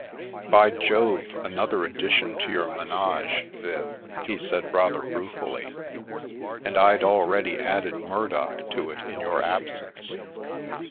" By Jove, another addition to your menage, Viv," he said rather ruefully, "and I'd already added Murdock to it in your absence.